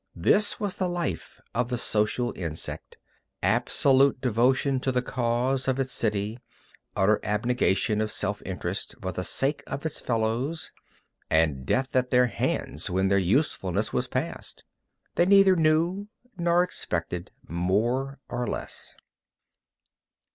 That was the life of the social insect, absolute devotion to the cause of its city, utter abnegation of self interest for the sake of its fellows and death at their hands when their usefulness was past. They neither knew nor expected more or less.